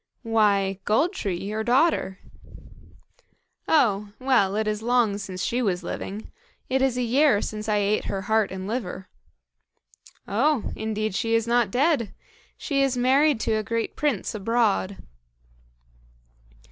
"Why, Gold tree, your daughter." "Oh! well, it is long since she was living. It is a year since I ate her heart and liver." "Oh! indeed she is not dead. She is married to a great prince abroad."